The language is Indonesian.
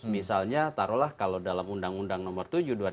misalnya tarolah kalau dalam undang undang nomor tujuh dua ribu tujuh belas